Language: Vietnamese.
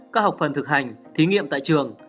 các học phần thực hành thí nghiệm tại trường